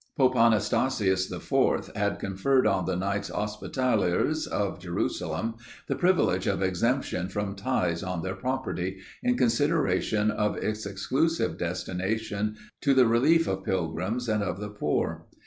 Pope Anastasius IV. had conferred on the Knights Hospitallers of Jerusalem the privilege of exemption from tithes on their property, in consideration of its exclusive destination to the relief of pilgrims and of the poor.